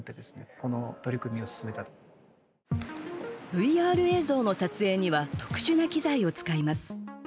ＶＲ映像の撮影には特殊な機材を使います。